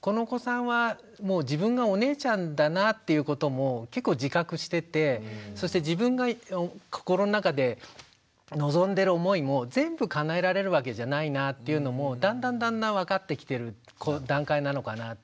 このお子さんはもう自分がお姉ちゃんだなっていうことも結構自覚しててそして自分が心の中で望んでる思いも全部かなえられるわけじゃないなっていうのもだんだんだんだん分かってきてる段階なのかなって。